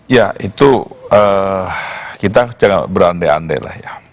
ya itu kita jangan berandai andai lah ya